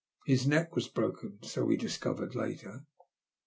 His neck was broken, so we discovered later.